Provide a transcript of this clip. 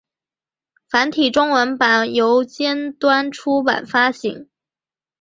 繁体中文版由尖端出版发行。